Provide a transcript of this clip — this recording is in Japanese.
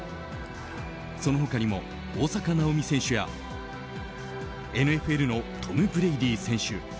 その他にも、大坂なおみ選手やＮＦＬのトム・ブレイディ選手